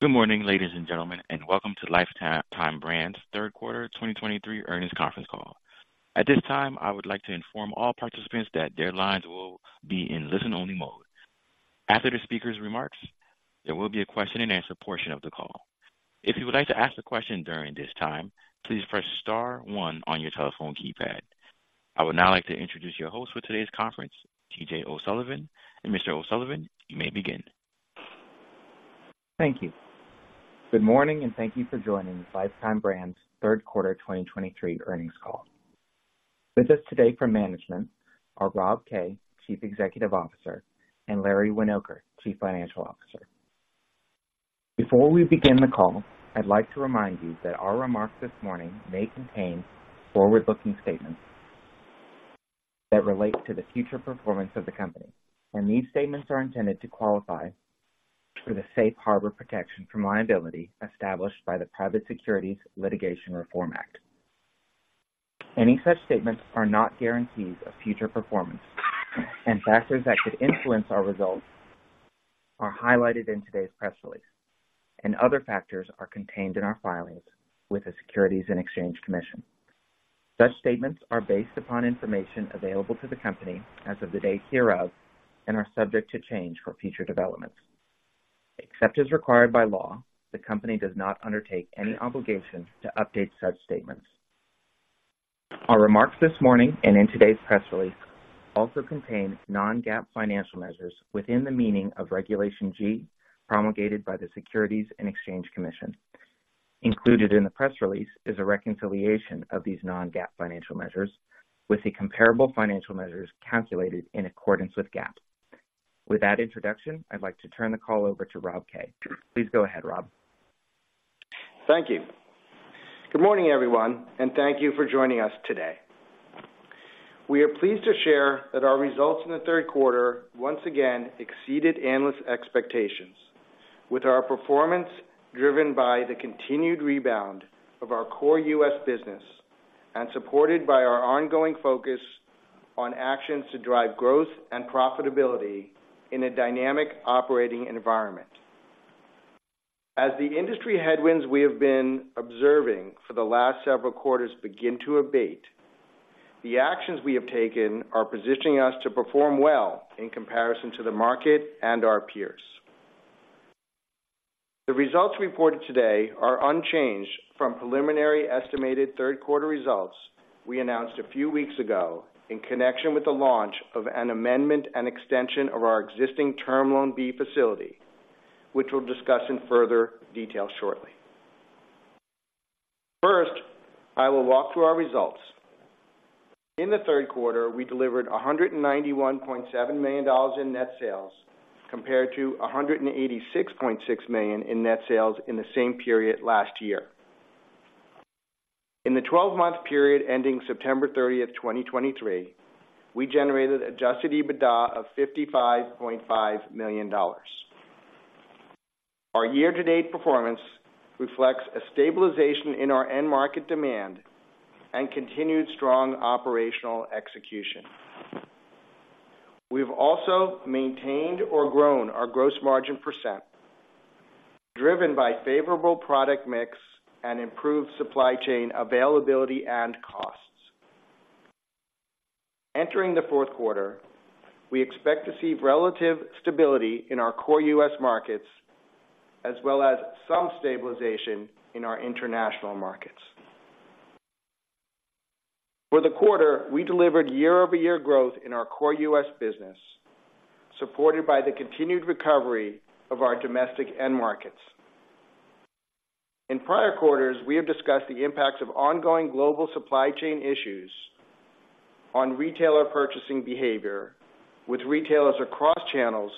Good morning, ladies and gentlemen, and welcome to Lifetime Brands' third quarter 2023 earnings conference call. At this time, I would like to inform all participants that their lines will be in listen-only mode. After the speaker's remarks, there will be a question-and-answer portion of the call. If you would like to ask a question during this time, please press star one on your telephone keypad. I would now like to introduce your host for today's conference, T.J. O'Sullivan. Mr. O'Sullivan, you may begin. Thank you. Good morning, and thank you for joining Lifetime Brands' third quarter 2023 earnings call. With us today from management are Rob Kay, Chief Executive Officer, and Larry Winoker, Chief Financial Officer. Before we begin the call, I'd like to remind you that our remarks this morning may contain forward-looking statements that relate to the future performance of the company, and these statements are intended to qualify for the safe harbor protection from liability established by the Private Securities Litigation Reform Act. Any such statements are not guarantees of future performance, and factors that could influence our results are highlighted in today's press release, and other factors are contained in our filings with the Securities and Exchange Commission. Such statements are based upon information available to the company as of the date hereof and are subject to change for future developments. Except as required by law, the company does not undertake any obligation to update such statements. Our remarks this morning and in today's press release also contain non-GAAP financial measures within the meaning of Regulation G, promulgated by the Securities and Exchange Commission. Included in the press release is a reconciliation of these non-GAAP financial measures with the comparable financial measures calculated in accordance with GAAP. With that introduction, I'd like to turn the call over to Rob Kay. Please go ahead, Rob. Thank you. Good morning, everyone, and thank you for joining us today. We are pleased to share that our results in the third quarter once again exceeded analyst expectations, with our performance driven by the continued rebound of our core U.S. business and supported by our ongoing focus on actions to drive growth and profitability in a dynamic operating environment. As the industry headwinds we have been observing for the last several quarters begin to abate, the actions we have taken are positioning us to perform well in comparison to the market and our peers. The results reported today are unchanged from preliminary estimated third quarter results we announced a few weeks ago in connection with the launch of an amendment and of our existing Term Loan B facility, which we'll discuss in further detail shortly. First, I will walk through our results. In the third quarter, we delivered $191.7 million in net sales, compared to $186.6 million in net sales in the same period last year. In the 12-month period ending September 30th, 2023, we generated Adjusted EBITDA of $55.5 million. Our year-to-date performance reflects a stabilization in our end market demand and continued strong operational execution. We've also maintained or grown our gross margin percent, driven by favorable product mix and improved supply chain availability and costs. Entering the fourth quarter, we expect to see relative stability in our core U.S. markets as well as some stabilization in our international markets. For the quarter, we delivered year-over-year growth in our core U.S. business, supported by the continued recovery of our domestic end markets. In prior quarters, we have discussed the impacts of ongoing global supply chain issues on retailer purchasing behavior, with retailers across channels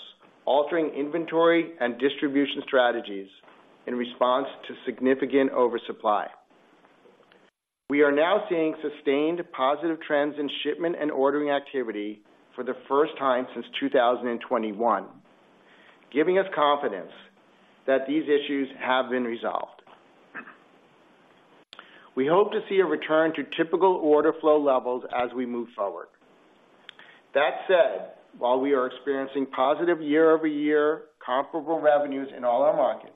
altering inventory and distribution strategies in response to significant oversupply. We are now seeing sustained positive trends in shipment and ordering activity for the first time since 2021, giving us confidence that these issues have been resolved. We hope to see a return to typical order flow levels as we move forward. That said, while we are experiencing positive year-over-year comparable revenues in all our markets,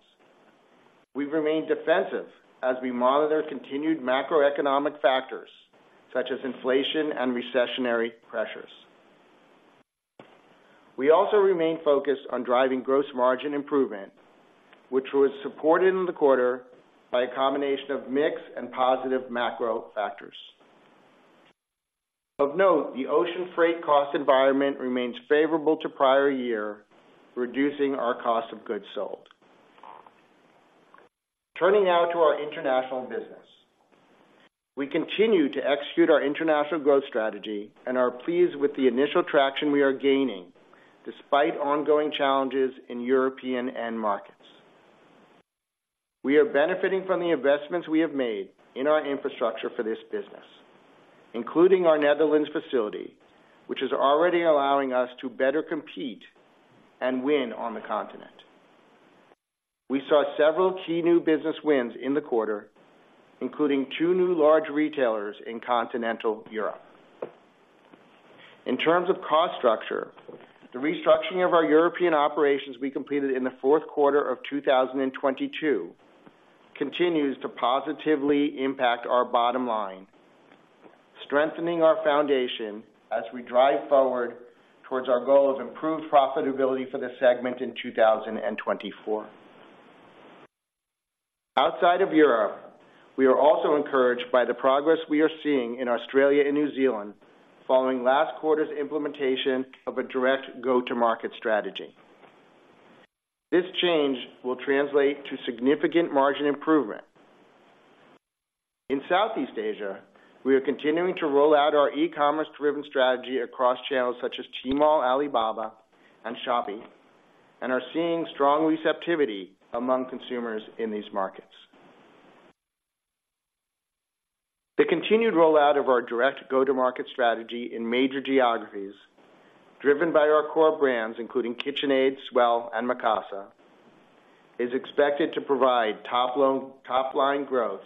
we remain defensive as we monitor continued macroeconomic factors, such as inflation and recessionary pressures. We also remain focused on driving gross margin improvement, which was supported in the quarter by a combination of mix and positive macro factors. Of note, the ocean freight cost environment remains favorable to prior year, reducing our cost of goods sold. Turning now to our international business. We continue to execute our international growth strategy and are pleased with the initial traction we are gaining despite ongoing challenges in European end markets. We are benefiting from the investments we have made in our infrastructure for this business, including our Netherlands facility, which is already allowing us to better compete and win on the continent. We saw several key new business wins in the quarter, including two new large retailers in continental Europe.... In terms of cost structure, the restructuring of our European operations we completed in the fourth quarter of 2022, continues to positively impact our bottom line, strengthening our foundation as we drive forward towards our goal of improved profitability for this segment in 2024. Outside of Europe, we are also encouraged by the progress we are seeing in Australia and New Zealand following last quarter's implementation of a direct go-to-market strategy. This change will translate to significant margin improvement. In Southeast Asia, we are continuing to roll out our e-commerce-driven strategy across channels such as Tmall, Alibaba, and Shopee, and are seeing strong receptivity among consumers in these markets. The continued rollout of our direct go-to-market strategy in major geographies, driven by our core brands, including KitchenAid, S'well, and Mikasa, is expected to provide top-line growth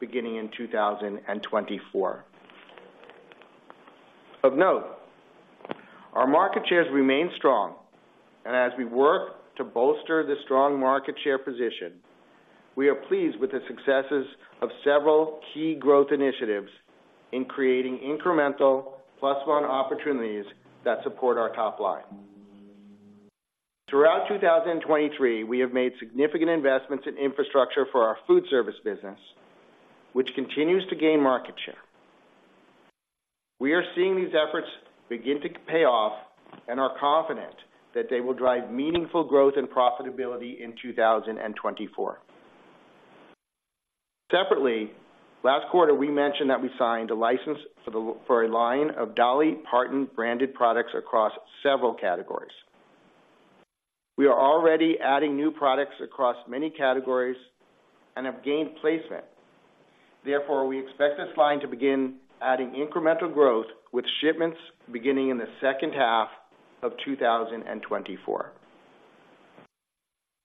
beginning in 2024. Of note, our market shares remain strong, and as we work to bolster the strong market share position, we are pleased with the successes of several key growth initiatives in creating incremental +1 opportunities that support our top line. Throughout 2023, we have made significant investments in infrastructure for our food service business, which continues to gain market share. We are seeing these efforts begin to pay off and are confident that they will drive meaningful growth and profitability in 2024. Separately, last quarter, we mentioned that we signed a license for a line of Dolly Parton-branded products across several categories. We are already adding new products across many categories and have gained placement. Therefore, we expect this line to begin adding incremental growth, with shipments beginning in the second half of 2024.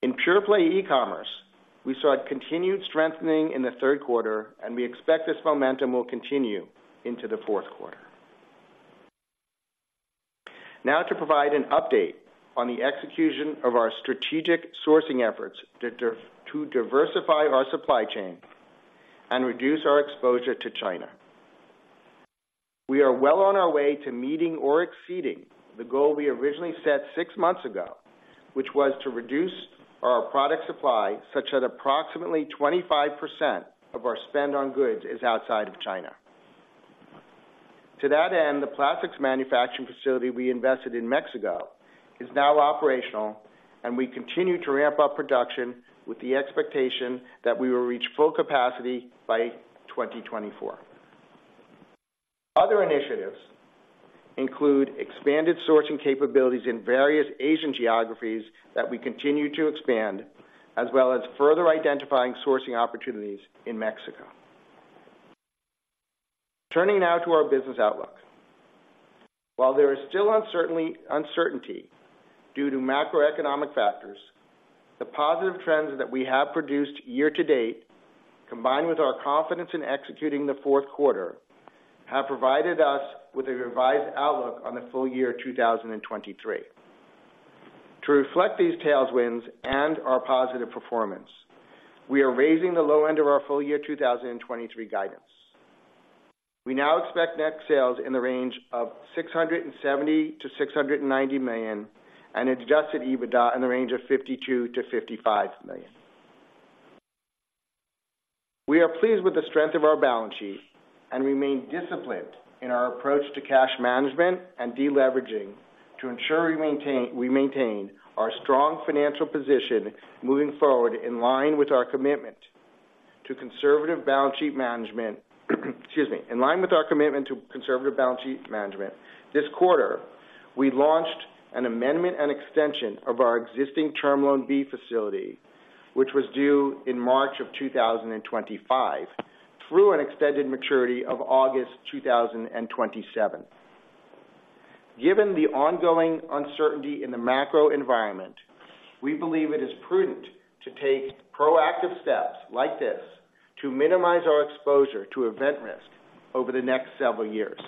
In pure-play e-commerce, we saw a continued strengthening in the third quarter, and we expect this momentum will continue into the fourth quarter. Now to provide an update on the execution of our strategic sourcing efforts to diversify our supply chain and reduce our exposure to China. We are well on our way to meeting or exceeding the goal we originally set six months ago, which was to reduce our product supply, such that approximately 25% of our spend on goods is outside of China. To that end, the plastics manufacturing facility we invested in Mexico is now operational, and we continue to ramp up production with the expectation that we will reach full capacity by 2024. Other initiatives include expanded sourcing capabilities in various Asian geographies that we continue to expand, as well as further identifying sourcing opportunities in Mexico. Turning now to our business outlook. While there is still uncertainty due to macroeconomic factors, the positive trends that we have produced year-to-date, combined with our confidence in executing the fourth quarter, have provided us with a revised outlook on the full year 2023. To reflect these tailwinds and our positive performance, we are raising the low end of our full year 2023 guidance. We now expect net sales in the range of $670 million-$690 million, and Adjusted EBITDA in the range of $52 million-$55 million. We are pleased with the strength of our balance sheet and remain disciplined in our approach to cash management and deleveraging to ensure we maintain our strong financial position moving forward, in line with our commitment to conservative balance sheet management. Excuse me. In line with our commitment to conservative balance sheet management, this quarter, we launched an amendment and extension of our existing Term Loan B facility, which was due in March 2025, through an extended maturity of August 2027. Given the ongoing uncertainty in the macro environment, we believe it is prudent to take proactive steps like this to minimize our exposure to event risk over the next several years.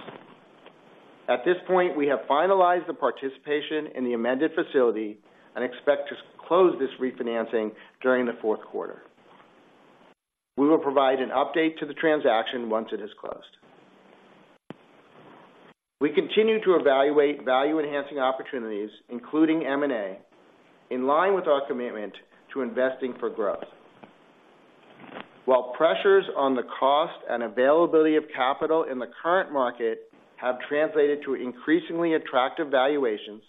At this point, we have finalized the participation in the amended facility and expect to close this refinancing during the fourth quarter. We will provide an update to the transaction once it is closed. We continue to evaluate value-enhancing opportunities, including M&A, in line with our commitment to investing for growth. While pressures on the cost and availability of capital in the current market have translated to increasingly attractive valuations,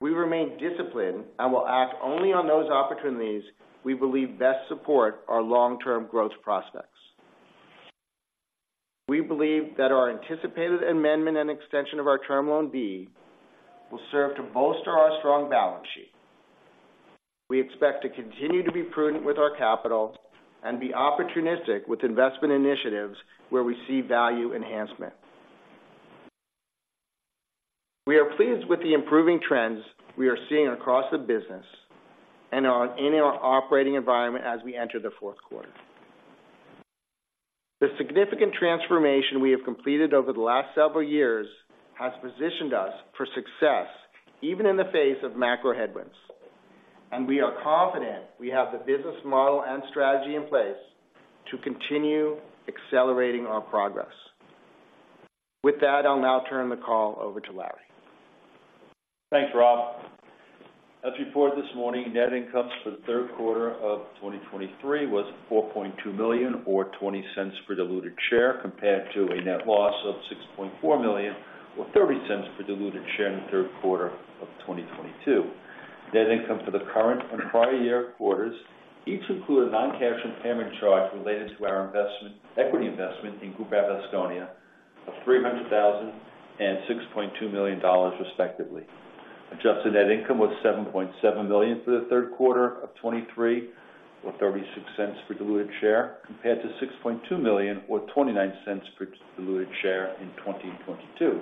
we remain disciplined and will act only on those opportunities we believe best support our long-term growth prospects. We believe that our anticipated amendment and extension of our Term Loan B will serve to bolster our strong balance sheet. We expect to continue to be prudent with our capital and be opportunistic with investment initiatives where we see value enhancement. We are pleased with the improving trends we are seeing across the business and are in our operating environment as we enter the fourth quarter. The significant transformation we have completed over the last several years has positioned us for success, even in the face of macro headwinds, and we are confident we have the business model and strategy in place to continue accelerating our progress. With that, I'll now turn the call over to Larry. Thanks, Rob. As reported this morning, net income for the third quarter of 2023 was $4.2 million, or $0.20 per diluted share, compared to a net loss of $6.4 million, or $0.30 per diluted share in the third quarter of 2022. Net income for the current and prior year quarters each include a non-cash impairment charge related to our investment, equity investment in Grupo Vasconia of $300,000 and $6.2 million, respectively. Adjusted net income was $7.7 million for the third quarter of 2023, or $0.36 per diluted share, compared to $6.2 million, or $0.29 per diluted share in 2022.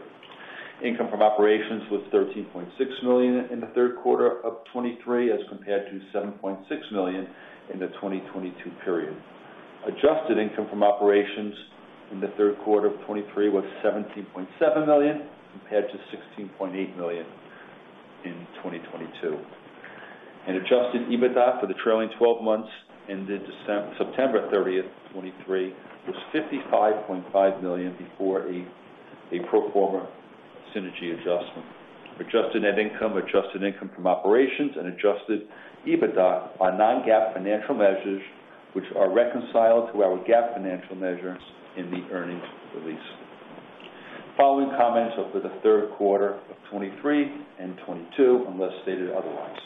Income from operations was $13.6 million in the third quarter of 2023, as compared to $7.6 million in the 2022 period. Adjusted income from operations in the third quarter of 2023 was $17.7 million, compared to $16.8 million in 2022. Adjusted EBITDA for the trailing twelve months ended September 30, 2023, was $55.5 million before a pro forma synergy adjustment. Adjusted net income, adjusted income from operations, and adjusted EBITDA are non-GAAP financial measures, which are reconciled to our GAAP financial measures in the earnings release. Following comments are for the third quarter of 2023 and 2022, unless stated otherwise.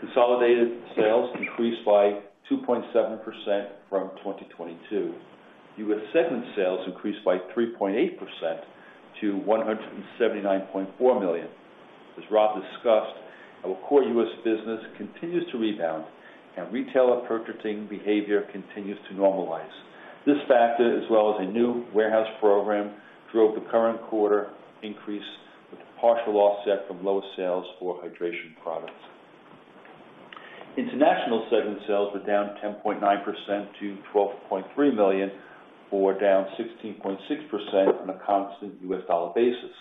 Consolidated sales increased by 2.7% from 2022. US segment sales increased by 3.8% to $179.4 million. As Rob discussed, our core U.S. business continues to rebound and retailer purchasing behavior continues to normalize. This factor, as well as a new warehouse program, drove the current quarter increase, with a partial offset from lower sales for hydration products. International segment sales were down 10.9% to $12.3 million, or down 16.6% on a constant U.S. dollar basis.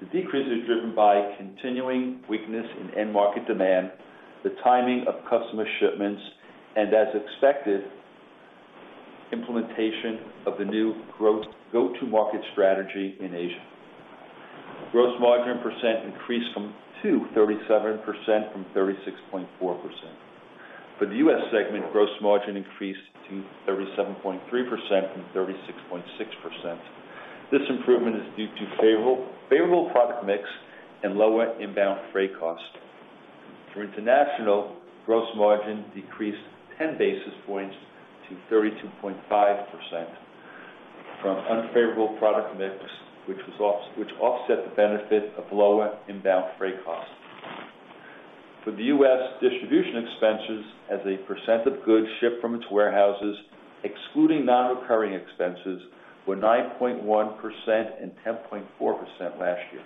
The decrease is driven by continuing weakness in end market demand, the timing of customer shipments, and, as expected, implementation of the new growth go-to-market strategy in Asia. Gross margin percent increased to 37% from 36.4%. For the U.S. segment, gross margin increased to 37.3% from 36.6%. This improvement is due to favorable, favorable product mix and lower inbound freight costs. For international, gross margin decreased 10 basis points to 32.5% from unfavorable product mix, which offset the benefit of lower inbound freight costs. For the U.S., distribution expenses as a percent of goods shipped from its warehouses, excluding non-recurring expenses, were 9.1% and 10.4% last year.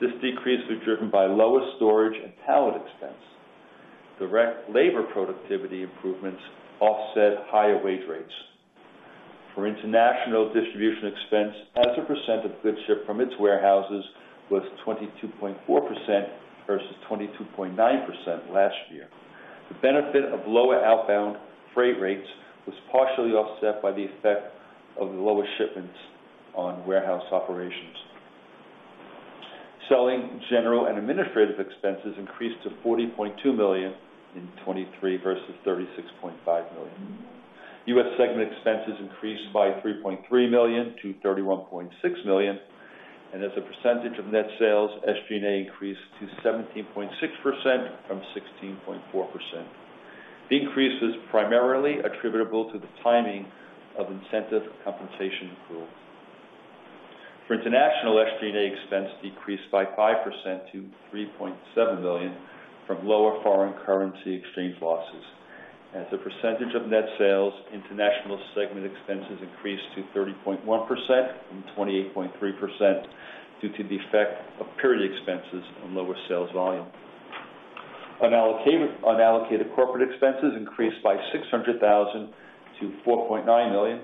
This decrease was driven by lower storage and pallet expense. Direct labor productivity improvements offset higher wage rates. For international, distribution expense as a percent of goods shipped from its warehouses was 22.4% versus 22.9% last year. The benefit of lower outbound freight rates was partially offset by the effect of the lower shipments on warehouse operations. Selling, general, and administrative expenses increased to $40.2 million in 2023 versus $36.5 million. U.S. segment expenses increased by $3.3 million to $31.6 million, and as a percentage of net sales, SG&A increased to 17.6% from 16.4%. The increase is primarily attributable to the timing of incentive compensation accrual. For international, SG&A expense decreased by 5% to $3.7 million from lower foreign currency exchange losses. As a percentage of net sales, international segment expenses increased to 30.1% from 28.3% due to the effect of period expenses on lower sales volume. Unallocated corporate expenses increased by $600,000 to $4.9 million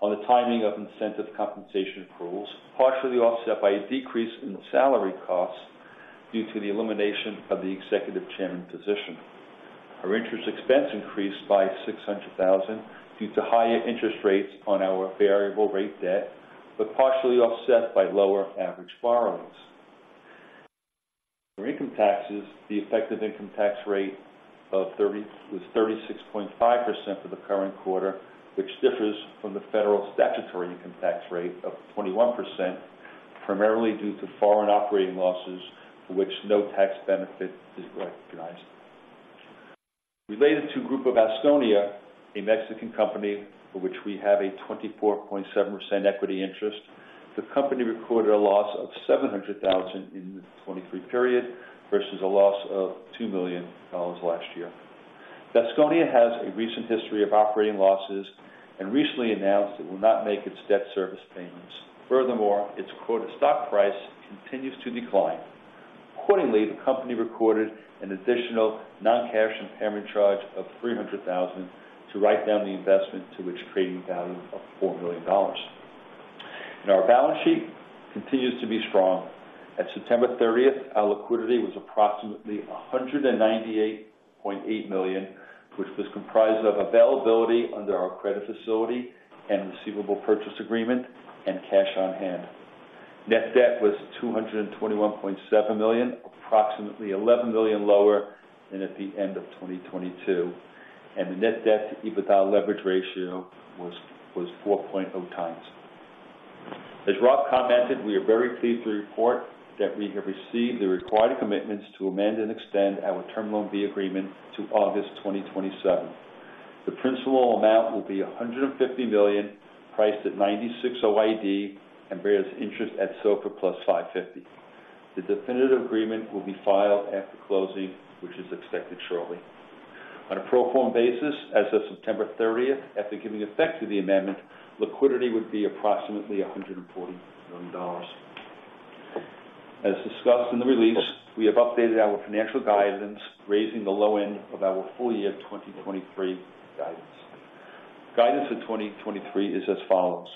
on the timing of incentive compensation accruals, partially offset by a decrease in the salary costs due to the elimination of the executive chairman position. Our interest expense increased by $600,000 due to higher interest rates on our variable rate debt, but partially offset by lower average borrowings. For income taxes, the effective income tax rate of 36.5% for the current quarter, which differs from the federal statutory income tax rate of 21%, primarily due to foreign operating losses, for which no tax benefit is recognized. Related to Grupo Vasconia, a Mexican company for which we have a 24.7% equity interest, the company recorded a loss of $700,000 in the 2023 period versus a loss of $2 million last year. Vasconia has a recent history of operating losses and recently announced it will not make its debt service payments. Furthermore, its quoted stock price continues to decline. ... accordingly, the company recorded an additional non-cash impairment charge of $300,000 to write down the investment to which trading value of $4 million. Our balance sheet continues to be strong. At September thirtieth, our liquidity was approximately $198.8 million, which was comprised of availability under our credit facility and receivable purchase agreement and cash on hand. Net debt was $221.7 million, approximately $11 million lower than at the end of 2022, and the net debt EBITDA leverage ratio was 4.0x. As Rob Kay commented, we are very pleased to report that we have received the required commitments to amend and extend our Term Loan B agreement to August 2027. The principal amount will be $150 million, priced at 96 OID, and bears interest at SOFR + 550. The definitive agreement will be filed after closing, which is expected shortly. On a pro forma basis, as of September 30th, after giving effect to the amendment, liquidity would be approximately $140 million. As discussed in the release, we have updated our financial guidance, raising the low end of our full year 2023 guidance. Guidance for 2023 is as follows: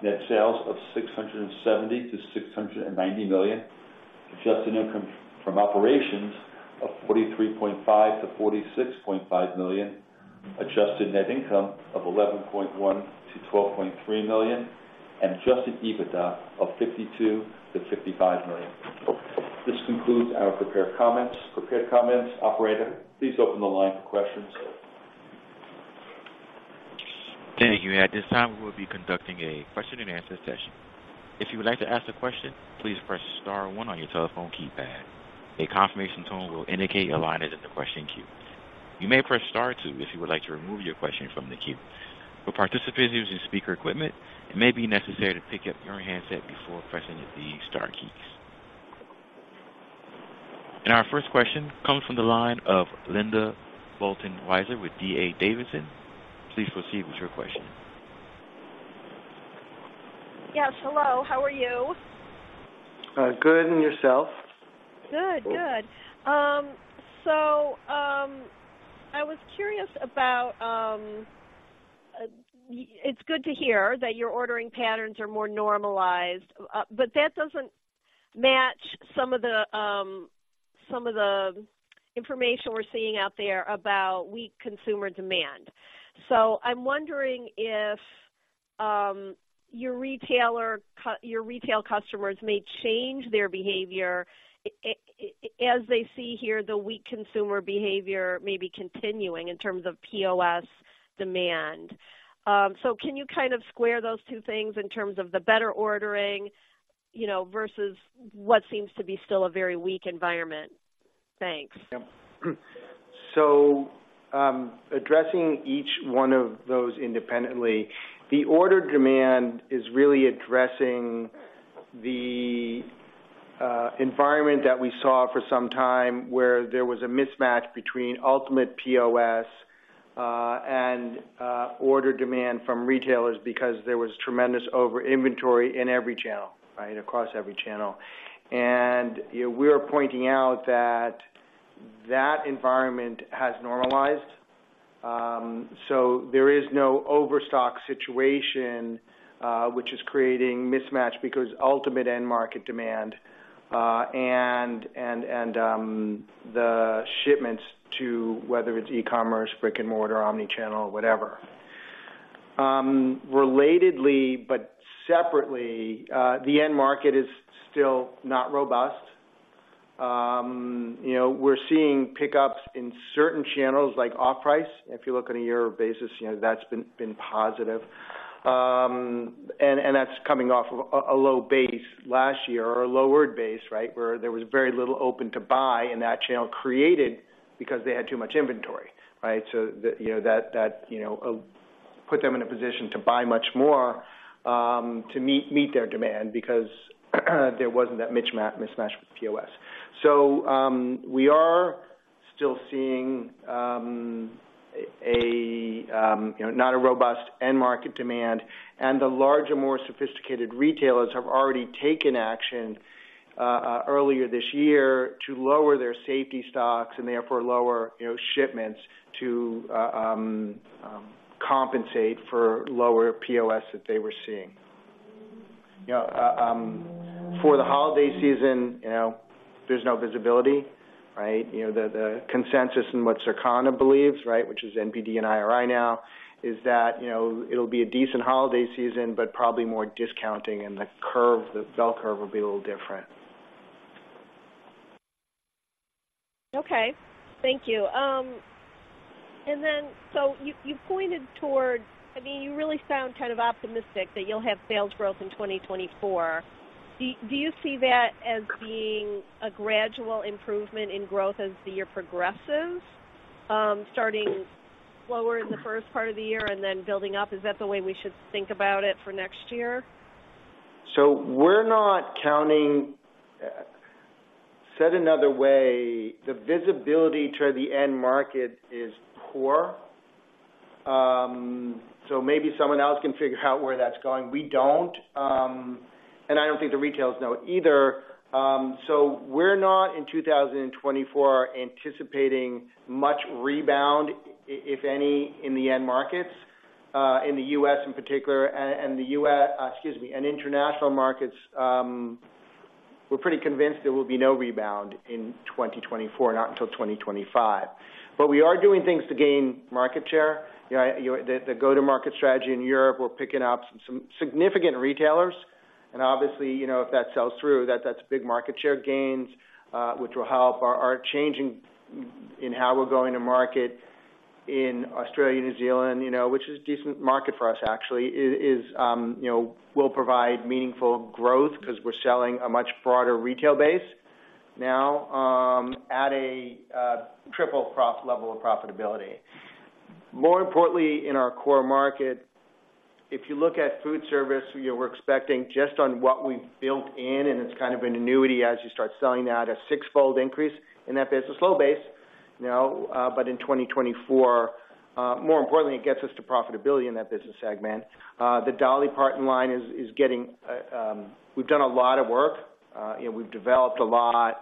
Net sales of $670 million-$690 million, adjusted income from operations of $43.5 million-$46.5 million, adjusted net income of $11.1 million-$12.3 million, and adjusted EBITDA of $52 million-$55 million. This concludes our prepared comments. Operator, please open the line for questions. Thank you. At this time, we'll be conducting a question-and-answer session. If you would like to ask a question, please press star one on your telephone keypad. A confirmation tone will indicate your line is in the question queue. You may press star two if you would like to remove your question from the queue. For participants using speaker equipment, it may be necessary to pick up your handset before pressing the star keys. Our first question comes from the line of Linda Bolton Weiser with D.A. Davidson. Please proceed with your question. Yes, hello. How are you? Good. And yourself? Good, good. So, I was curious about. It's good to hear that your ordering patterns are more normalized, but that doesn't match some of the information we're seeing out there about weak consumer demand. So I'm wondering if your retail customers may change their behavior as they see here, the weak consumer behavior may be continuing in terms of POS demand. So can you kind of square those two things in terms of the better ordering, you know, versus what seems to be still a very weak environment? Thanks. Yep. So, addressing each one of those independently, the order demand is really addressing the environment that we saw for some time, where there was a mismatch between ultimate POS and order demand from retailers because there was tremendous over inventory in every channel, right? Across every channel. And, you know, we are pointing out that that environment has normalized. So there is no overstock situation, which is creating mismatch because ultimate end market demand and the shipments to whether it's e-commerce, brick-and-mortar, omni-channel, whatever. Relatedly but separately, the end market is still not robust. You know, we're seeing pickups in certain channels like off-price. If you look on a year basis, you know, that's been positive. And that's coming off of a low base last year or a lowered base, right? Where there was very little open-to-buy in that channel created because they had too much inventory, right? So the, you know that, you know, put them in a position to buy much more, to meet their demand because there wasn't that mismatch with POS. So, we are still seeing, you know, not a robust end market demand, and the larger, more sophisticated retailers have already taken action earlier this year to lower their safety stocks and therefore lower, you know, shipments to compensate for lower POS that they were seeing. You know, for the holiday season, you know, there's no visibility, right? You know, the consensus and what Circana believes, right, which is NPD and IRI now, is that, you know, it'll be a decent holiday season, but probably more discounting and the curve, the bell curve, will be a little different. Okay, thank you. And then so you, you pointed towards... I mean, you really sound kind of optimistic that you'll have sales growth in 2024. Do, do you see that as being a gradual improvement in growth as the year progresses, starting slower in the first part of the year and then building up? Is that the way we should think about it for next year? So we're not counting. Said another way, the visibility to the end market is poor. So maybe someone else can figure out where that's going. We don't, and I don't think the retailers know it either. So we're not, in 2024, anticipating much rebound, if any, in the end markets, in the U.S. in particular, and, and the U.S., excuse me, and international markets, we're pretty convinced there will be no rebound in 2024, not until 2025. But we are doing things to gain market share. You know, the go-to-market strategy in Europe, we're picking up some significant retailers, and obviously, you know, if that sells through, that, that's big market share gains, which will help. Our changing in how we're going to market in Australia, New Zealand, you know, which is a decent market for us actually, is, you know, will provide meaningful growth because we're selling a much broader retail base now, at a triple profit level of profitability. More importantly, in our core market, if you look at food service, we're expecting just on what we've built in, and it's kind of an annuity as you start selling that, a six-fold increase in that business. It's a slow base, you know, but in 2024, more importantly, it gets us to profitability in that business segment. The Dolly Parton line is getting. We've done a lot of work, and we've developed a lot.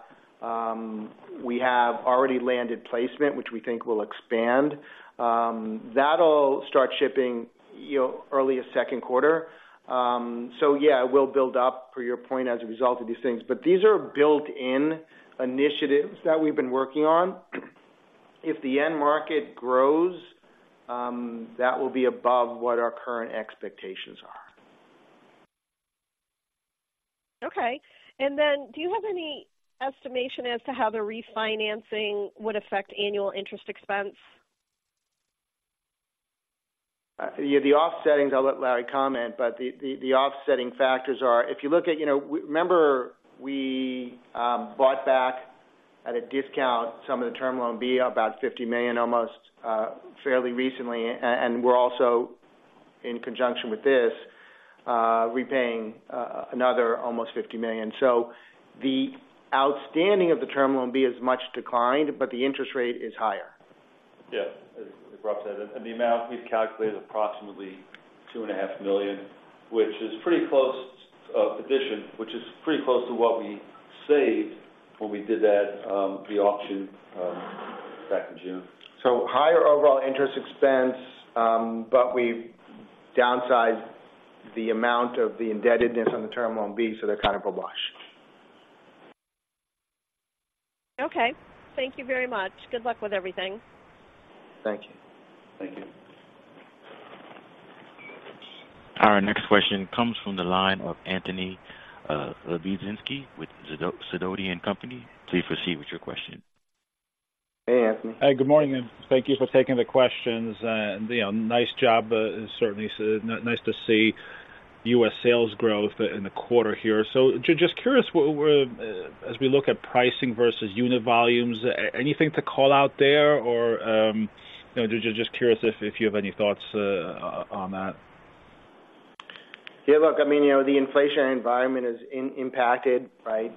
We have already landed placement, which we think will expand. That'll start shipping, you know, early as second quarter. So yeah, it will build up for your point as a result of these things. But these are built-in initiatives that we've been working on. If the end market grows, that will be above what our current expectations are. Okay. Do you have any estimation as to how the refinancing would affect annual interest expense? Yeah, the offsetting, I'll let Larry comment, but the offsetting factors are, if you look at... You know, remember we bought back at a discount some of the Term Loan B, about $50 million, almost, fairly recently. And we're also, in conjunction with this, repaying another almost $50 million. So the outstanding of the Term Loan B is much declined, but the interest rate is higher. Yeah, as Rob said, and the amount we've calculated approximately $2.5 million, which is pretty close, in addition, which is pretty close to what we saved when we did the auction back in June. So higher overall interest expense, but we've downsized the amount of the indebtedness on the Term Loan B, so they're kind of a wash. Okay. Thank you very much. Good luck with everything. Thank you. Thank you. Our next question comes from the line of Anthony Lebiedzinski with Sidoti & Company. Please proceed with your question. Hey, Anthony. Hi, good morning, and thank you for taking the questions. You know, nice job. Certainly, nice to see U.S. sales growth in the quarter here. Just curious, as we look at pricing versus unit volumes, anything to call out there? Or, you know, just curious if you have any thoughts on that. Yeah, look, I mean, you know, the inflation environment is impacted, right?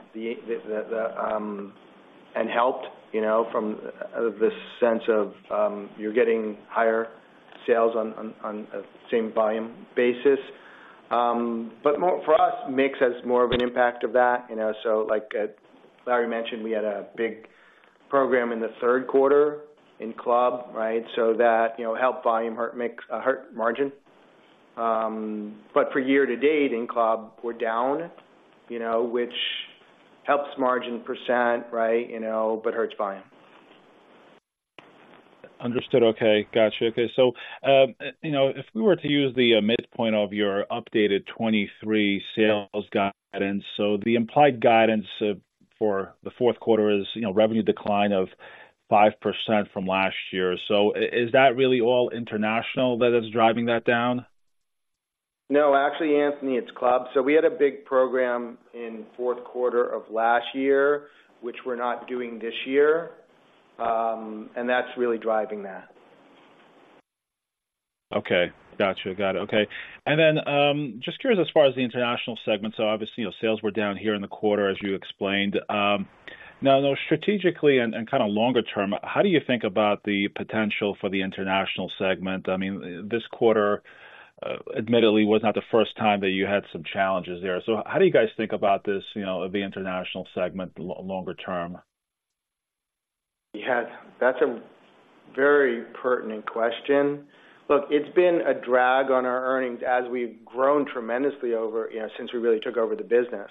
And helped, you know, from the sense of, you're getting higher sales on the same volume basis. But more- for us, mix has more of an impact of that, you know. So like, Larry mentioned, we had a big program in the third quarter in club, right? So that, you know, helped volume, hurt margin. But for year to date in club, we're down, you know, which helps margin percent, right, you know, but hurts volume. Understood. Okay. Got you. Okay, so, you know, if we were to use the midpoint of your updated 2023 sales guidance, so the implied guidance for the fourth quarter is, you know, revenue decline of 5% from last year. So is that really all international that is driving that down? No, actually, Anthony, it's club. So we had a big program in fourth quarter of last year, which we're not doing this year, and that's really driving that. Okay. Got you. Got it. Okay. And then, just curious, as far as the international segment, so obviously, your sales were down here in the quarter, as you explained. Now, strategically and, and kind of longer term, how do you think about the potential for the international segment? I mean, this quarter, admittedly, was not the first time that you had some challenges there. So how do you guys think about this, you know, the international segment, longer term? Yeah, that's a very pertinent question. Look, it's been a drag on our earnings as we've grown tremendously over, you know, since we really took over the business.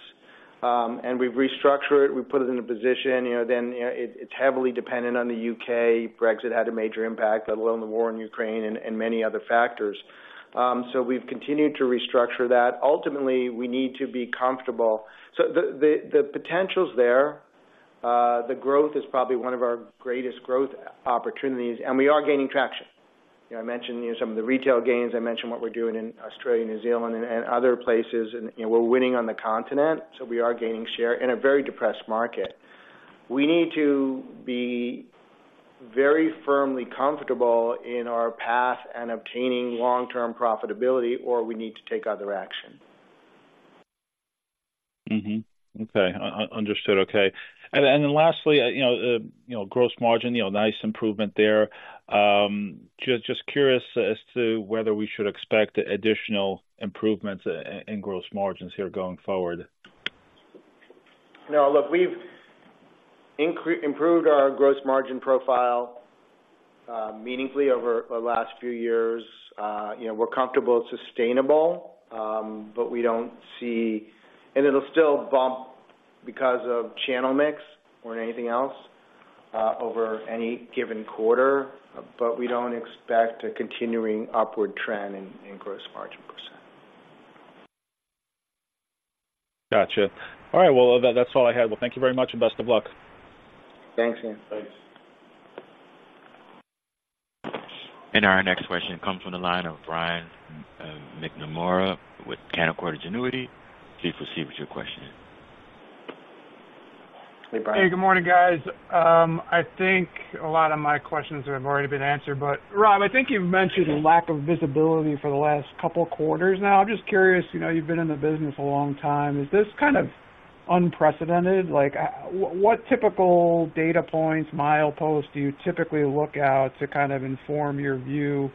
And we've restructured it. We put it in a position, you know, then, you know, it, it's heavily dependent on the U.K.. Brexit had a major impact, let alone the war in Ukraine and many other factors. So we've continued to restructure that. Ultimately, we need to be comfortable. So the potential's there, the growth is probably one of our greatest growth opportunities, and we are gaining traction. You know, I mentioned, you know, some of the retail gains. I mentioned what we're doing in Australia, New Zealand, and other places, and, you know, we're winning on the continent, so we are gaining share in a very depressed market. We need to be very firmly comfortable in our path and obtaining long-term profitability, or we need to take other action.... Mm-hmm. Okay, understood. Okay. And then lastly, you know, you know, gross margin, you know, nice improvement there. Just curious as to whether we should expect additional improvements in gross margins here going forward? No, look, we've improved our gross margin profile meaningfully over the last few years. You know, we're comfortable it's sustainable, but we don't see... And it'll still bump because of channel mix or anything else over any given quarter, but we don't expect a continuing upward trend in gross margin percent. Gotcha. All right, well, that, that's all I had. Well, thank you very much, and best of luck. Thanks, Ian. Thanks. Our next question comes from the line of Brian McNamara with Canaccord Genuity. Please proceed with your question. Hey, Brian. Hey, good morning, guys. I think a lot of my questions have already been answered, but Rob, I think you've mentioned lack of visibility for the last couple quarters now. I'm just curious, you know, you've been in the business a long time, is this kind of unprecedented? Like, what typical data points, mileposts, do you typically look out to kind of inform your view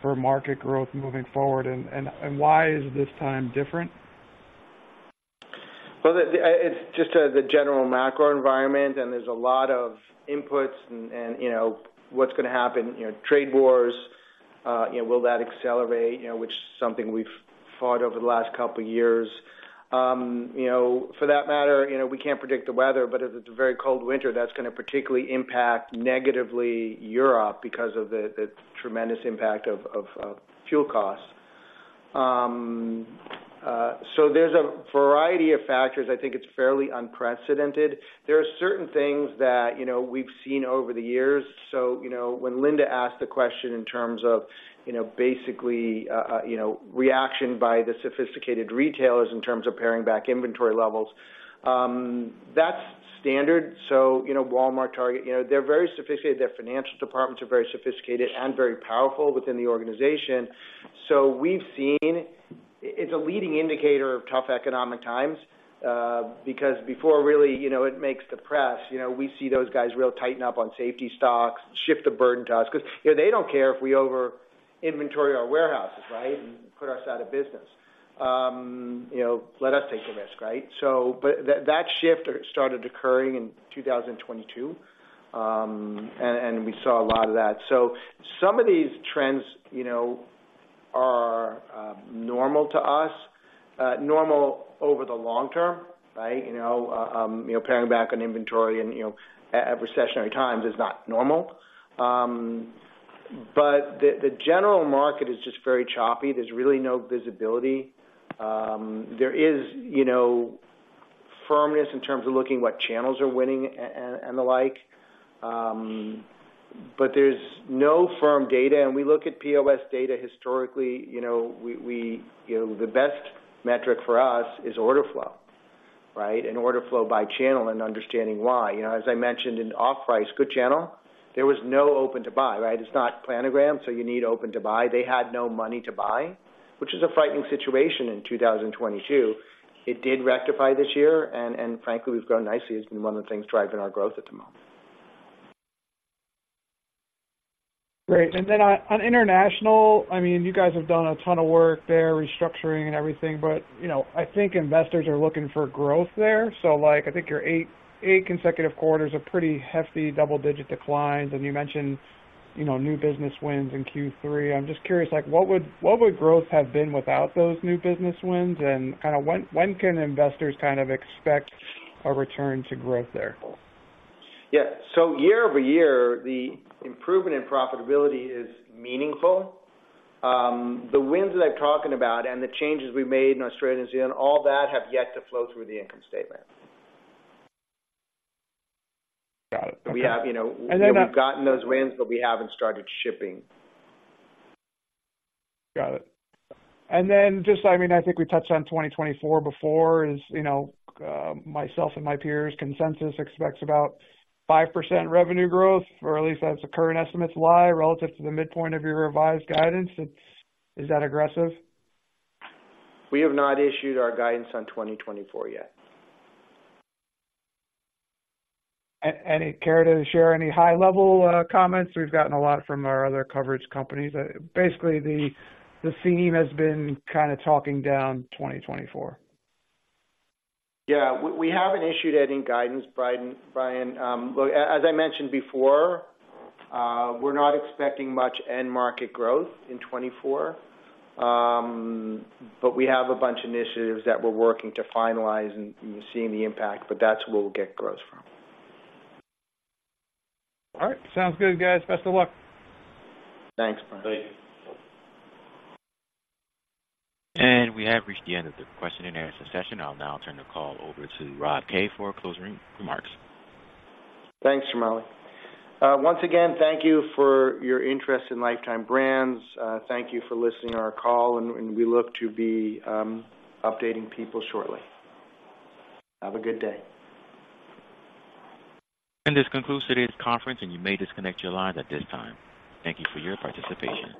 for market growth moving forward? And why is this time different? Well, it's just the general macro environment, and there's a lot of inputs and, you know, what's gonna happen, you know, trade wars, you know, will that accelerate? You know, which is something we've fought over the last couple years. You know, for that matter, you know, we can't predict the weather, but if it's a very cold winter, that's gonna particularly impact negatively Europe because of the tremendous impact of fuel costs. So there's a variety of factors. I think it's fairly unprecedented. There are certain things that, you know, we've seen over the years. So, you know, when Linda asked the question in terms of, you know, basically, you know, reaction by the sophisticated retailers in terms of paring back inventory levels, that's standard. So, you know, Walmart, Target, you know, they're very sophisticated. Their financial departments are very sophisticated and very powerful within the organization. So we've seen, it's a leading indicator of tough economic times, because before really, you know, it makes the press, you know, we see those guys really tighten up on safety stocks, shift the burden to us. 'Cause, you know, they don't care if we over inventory our warehouses, right? And put us out of business. You know, let us take the risk, right? So but that, that shift started occurring in 2022, and, and we saw a lot of that. So some of these trends, you know, are, normal to us, normal over the long term, right? You know, you know, paring back on inventory and, you know, at, at recessionary times is not normal. But the, the general market is just very choppy. There's really no visibility. There is, you know, firmness in terms of looking what channels are winning and the like. But there's no firm data, and we look at POS data historically. You know, the best metric for us is order flow, right? And order flow by channel and understanding why. You know, as I mentioned in off-price, good channel, there was no open-to-buy, right? It's not planogram, so you need open-to-buy. They had no money to buy, which is a frightening situation in 2022. It did rectify this year, and frankly, we've grown nicely. It's been one of the things driving our growth at the moment. Great. Then on international, I mean, you guys have done a ton of work there, restructuring and everything, but, you know, I think investors are looking for growth there. So, like, I think your eight consecutive quarters are pretty hefty double-digit declines, and you mentioned, you know, new business wins in Q3. I'm just curious, like, what would growth have been without those new business wins? And kind of when can investors kind of expect a return to growth there? Yeah. So year-over-year, the improvement in profitability is meaningful. The wins that I'm talking about and the changes we made in Australia and New Zealand, all that have yet to flow through the income statement. Got it. We have, you know- And then- We've gotten those wins, but we haven't started shipping. Got it. And then just, I mean, I think we touched on 2024 before, you know, myself and my peers' consensus expects about 5% revenue growth, or at least as the current estimates lie, relative to the midpoint of your revised guidance. It's... Is that aggressive? We have not issued our guidance on 2024 yet. Care to share any high-level comments? We've gotten a lot from our other coverage companies. Basically, the theme has been kind of talking down 2024. Yeah, we haven't issued any guidance, Brian, Brian. Look, as I mentioned before, we're not expecting much end-market growth in 2024. But we have a bunch of initiatives that we're working to finalize and seeing the impact, but that's where we'll get growth from. All right. Sounds good, guys. Best of luck. Thanks, Brian. Thank you. We have reached the end of the question and answer session. I'll now turn the call over to Rob Kay for closing remarks. Thanks, Jamali. Once again, thank you for your interest in Lifetime Brands. Thank you for listening to our call, and we look to be updating people shortly. Have a good day. This concludes today's conference, and you may disconnect your lines at this time. Thank you for your participation.